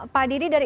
pak didi dari